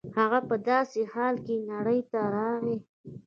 هغه په داسې حال کې نړۍ ته راغی